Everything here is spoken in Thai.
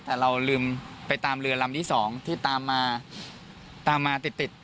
แต่เราลืมไปตามเรือลำที่สองที่ตามมาตามมาติดติด